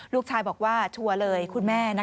ลูกชายบอกว่าชัวร์เลยคุณแม่